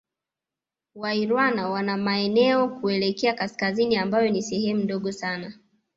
Wairwana wana maeneo kuelekea Kaskazini ambayo ni sehemu ndogo sana